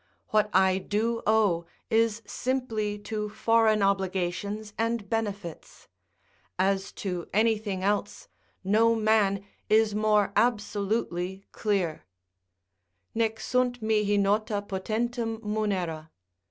What I do owe is simply to foreign obligations and benefits; as to anything else, no man is more absolutely clear: "Nec sunt mihi nota potentum Munera."